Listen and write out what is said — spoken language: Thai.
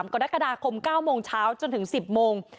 กรกฎาคม๙โมงเช้าจนถึง๑๐โมง